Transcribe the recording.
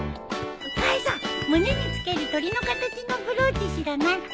お母さん胸に着ける鳥の形のブローチ知らない？